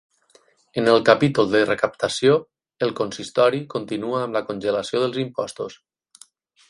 En el capítol de recaptació, el consistori continua amb la congelació dels impostos.